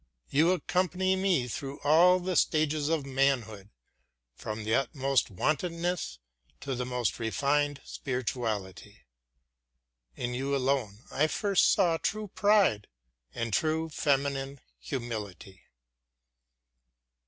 You accompany me through all the stages of manhood, from the utmost wantonness to the most refined spirituality. In you alone I first saw true pride and true feminine humility.